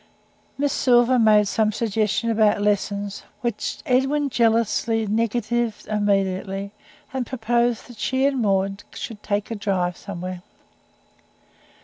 Miss Silver made some suggestion about "lessons," which Edwin jealously negatived immediately, and proposed that she and Maud should take a drive somewhere.